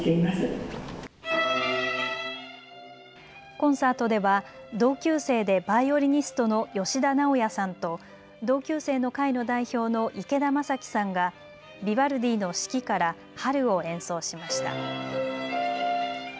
コンサートでは同級生でバイオリニストの吉田直矢さんと同級生の会の代表の池田正樹さんがヴィヴァルディの四季から春を演奏しました。